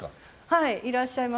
はいいらっしゃいます。